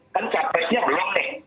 kan capresnya belum nih